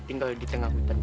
yang jepitan jepitan